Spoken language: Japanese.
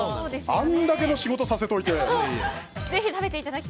あんだけの仕事させといて。